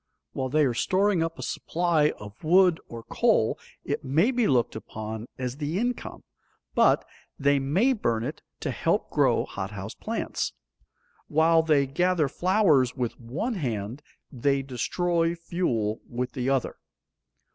While they are storing up a supply of wood or coal it may be looked upon as the income, but they may burn it to help grow hothouse plants. While they gather flowers with one hand, they destroy fuel with the other.